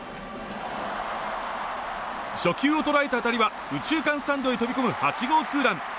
初球を捉えた当たりは右中間スタンドへ飛び込む８号ツーラン。